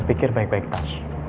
lo pikir baik baik tash